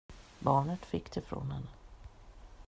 Barnen fick det från henne.